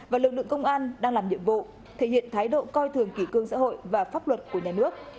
và lực lượng công an đang làm nhiệm vụ thể hiện thái độ coi thường kỷ cương xã hội và pháp luật của nhà nước